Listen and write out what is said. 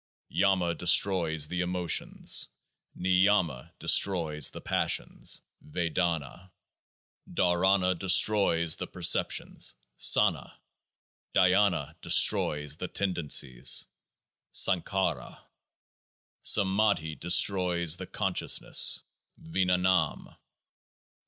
Yama destroys the emotions. ^ Niyama destroys the passions. J (Vedana). Dharana destroys the perceptions (Sanna). Dhyana destroys the tendencies (Sankhara). Samadhi destroys the consciousness (Vinnanam).